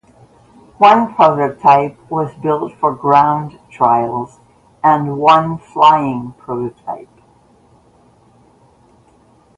One prototype was built for ground trials and one flying prototype.